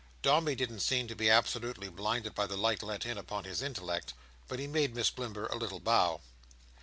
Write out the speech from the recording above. Dombey didn't seem to be absolutely blinded by the light let in upon his intellect, but he made Miss Blimber a little bow.